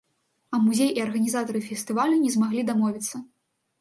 А музей і арганізатары фестывалю не змаглі дамовіцца.